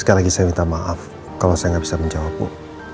sekali lagi saya minta maaf kalau saya tidak bisa menjawab bu